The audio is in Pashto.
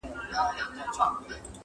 سپی پر خپل مالک د حد له پاسه ګران ؤ.